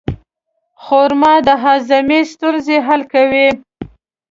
خرما د هاضمې ستونزې حل کوي.